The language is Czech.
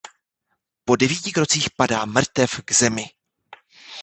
Po devíti krocích padá mrtev k zemi.